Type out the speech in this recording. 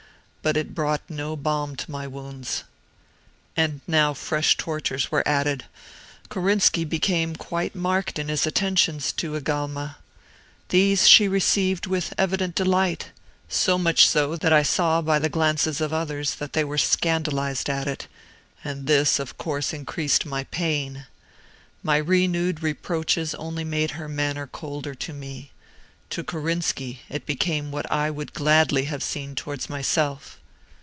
But it brought no balm to my wounds. "And now fresh tortures were added. Korinski became quite marked in his attentions to Agalma. These she received with evident delight; so much so, that I saw by the glances of others that they were scandalized at it; and this, of course, increased my pain. My renewed reproaches only made her manner colder to me; to Korinski it became what I would gladly have seen towards myself.